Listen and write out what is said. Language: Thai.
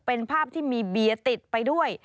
เป็นภาพที่มีเบียร์ติดไปด้วย